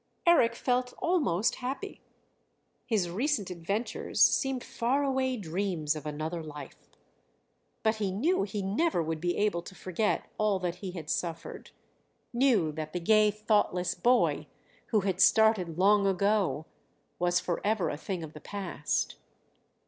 Eric felt almost happy. His recent adventures seemed far away dreams of another life; but he knew he never would be able to forget all that he had suffered, knew that the gay thoughtless boy, who had started long ago, was for ever a thing of the past.